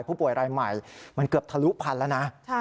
ผู้ป่วยรายใหม่มันเกือบทะลุพันแล้วนะ